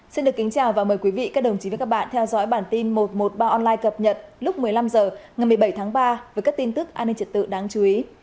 xin được kính chào và mời quý vị các đồng chí và các bạn theo dõi bản tin một trăm một mươi ba online cập nhật lúc một mươi năm h ngày một mươi bảy tháng ba với các tin tức an ninh trật tự đáng chú ý